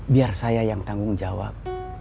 biar saya yang tanggung jawab